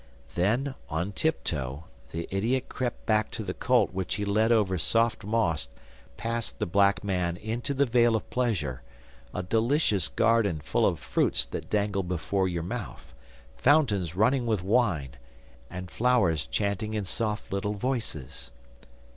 Then, on tiptoe, the idiot crept back to the colt which he led over soft moss past the black man into the vale of pleasure, a delicious garden full of fruits that dangled before your mouth, fountains running with wine, and flowers chanting in soft little voices.